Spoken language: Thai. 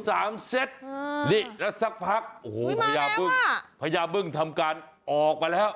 ๓เซตเหรอโอ้โห๓เซตแล้วสักพักโอ้โหพญาเบิ้งทำการออกไปแล้ว